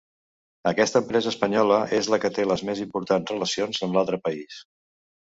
Aquesta empresa espanyola és la que té les més importants relacions amb l'altre país.